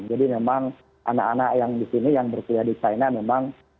jadi memang anak anak yang di sini yang berpilih di saina memang bisa